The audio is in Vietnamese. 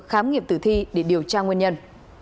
khám nghiệp tử thi để điều tra nguyên nhân